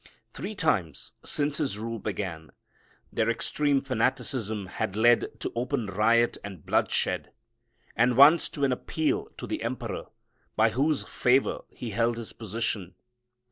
Three times since his rule began their extreme fanaticism had led to open riot and bloodshed, and once to an appeal to the emperor, by whose favor he held his position.